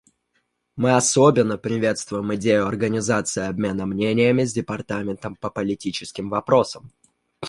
Мы особенно приветствуем идею организации обмена мнениями с Департаментом по политическим вопросам.